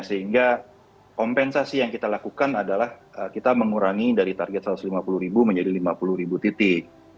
sehingga kompensasi yang kita lakukan adalah kita mengurangi dari target satu ratus lima puluh ribu menjadi lima puluh ribu titik